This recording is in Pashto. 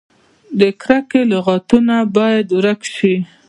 د کرکې لغتونه باید ورک شي.